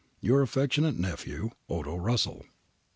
' Your affectionate nephew, 'Odo Russell.'